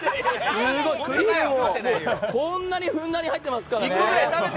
クリームもこんなにふんだんに入ってますからね。